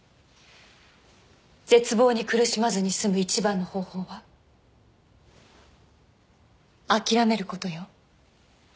絶望に苦しまずに済む一番の方法は諦めることよ。